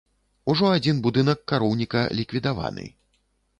Ужо адзін будынак кароўніка ліквідаваны.